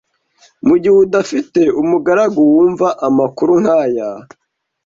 Mugihe udafite umugaragu wumva amakuru nkaya